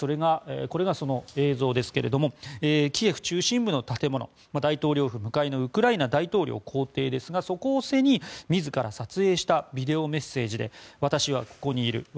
これがその映像ですけどキエフ中心部の建物大統領府向かいのウクライナ大統領公邸ですがそこを背に自ら撮影したビデオメッセージで私はここにいる。